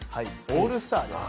オールスターです。